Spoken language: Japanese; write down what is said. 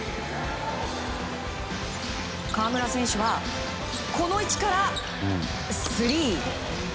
河村選手はこの位置からスリー！